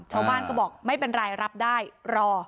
ชาวบ้านก็บอกไม่เป็นไรรับได้รอ